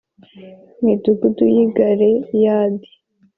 midugudu y i Galeyadi